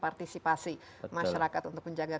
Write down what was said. partisipasi masyarakat untuk menjaga